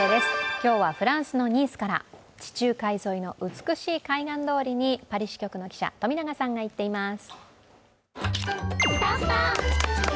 今日はフランスのニースから、地中海沿いの美しい海岸通りにパリ支局の記者、富永さんが行っています。